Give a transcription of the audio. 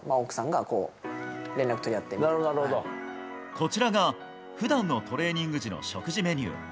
こちらが、普段のトレーニング時の食事メニュー。